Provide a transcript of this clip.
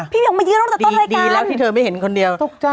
พี่เมียวมาเยอะตั้งแต่ต้นรายการดีแล้วที่เธอไม่เห็นคนเดียวตกใจค่ะ